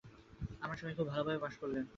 আমার স্বামী খুব ভালভাবে পাশ করলেন।